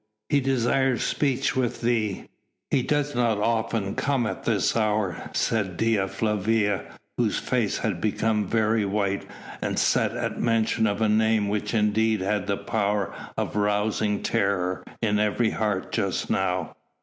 He desires speech with thee." "He does not often come at this hour," said Dea Flavia, whose face had become very white and set at mention of a name which indeed had the power of rousing terror in every heart just now.